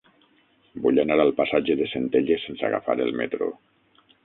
Vull anar al passatge de Centelles sense agafar el metro.